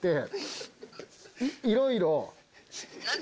いろいろ。